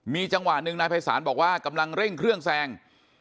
มีจังหวะหนึ่งนายภัยศาลบอกว่ากำลังเร่งเครื่องแซง